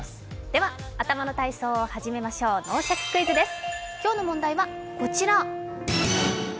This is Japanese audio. では頭の体操を始めましょう、「脳シャキ！クイズ」です。